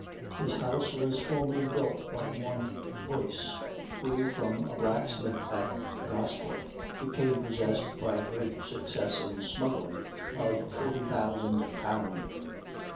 This house was formerly built by one Boyce, who, from a blacksmith at Gosport, became possessed, by great success in smuggling, of forty thousand pound.